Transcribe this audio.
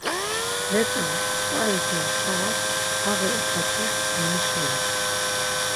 Let̆a, tzǩari do xava paği okaçus memişvelit.